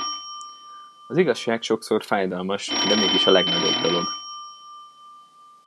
Az igazság sokszor fájdalmas, de mégis a legnagyobb dolog.